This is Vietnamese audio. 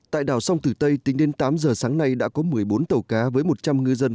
tại đảo sông tử tây tính đến tám giờ sáng nay đã có một mươi bốn tàu cá với một trăm linh ngư dân